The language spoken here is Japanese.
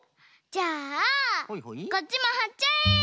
じゃあこっちもはっちゃえ！